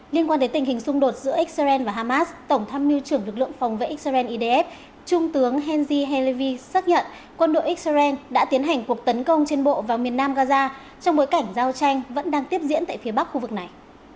liên quan đến tình hình xung đột giữa israel và hamas tổng tham mưu trưởng lực lượng phòng vệ israel idf trung tướng henzy halevy xác nhận quân đội israel đã tiến hành cuộc tấn công trên bộ vào miền nam gaza trong bối cảnh giao tranh vẫn đang tiếp diễn tại phía bắc khu vực này